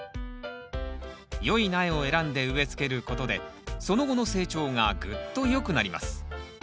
良い苗を選んで植えつけることでその後の成長がぐっと良くなります。